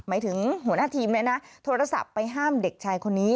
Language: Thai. หมายถึงหัวหน้าทีมเลยนะโทรศัพท์ไปห้ามเด็กชายคนนี้